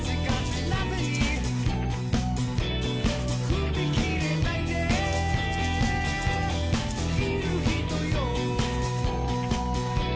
「踏み切れないでいる人よ」